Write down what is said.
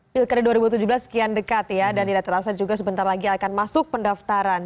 pilkada dua ribu tujuh belas sekian dekat ya dan tidak terasa juga sebentar lagi akan masuk pendaftaran